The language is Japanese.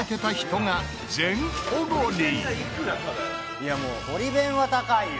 いやもう堀弁は高いよ。